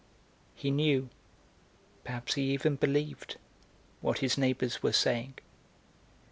He knew, perhaps he even believed, what his neighbours were saying.